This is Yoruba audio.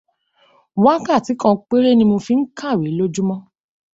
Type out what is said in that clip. Wákàtí kan péré ni mo fi ń kàwé lójúmọ́.